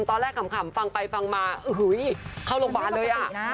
ตอนแรกขำฟังไปฟังมาเข้าลงบานเลยอะ